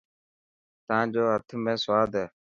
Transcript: تان جي هٿ ۾ سواد هي.